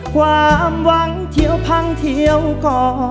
ความหวังเที่ยวพังเที่ยวก่อ